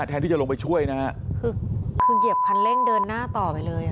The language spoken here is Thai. แทนที่จะลงไปช่วยนะฮะคือคือเหยียบคันเร่งเดินหน้าต่อไปเลยอ่ะ